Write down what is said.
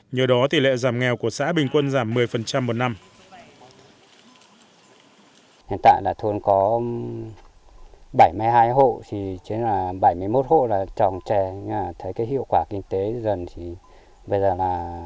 nhờ đó tỷ lệ giảm nghèo của xã bình quân giảm một mươi